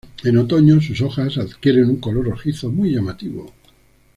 En otoño sus hojas adquieren un color rojizo muy llamativo.